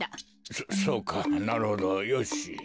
そそうかなるほどよし。